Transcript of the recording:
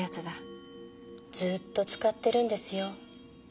ずっと使ってるんですよ。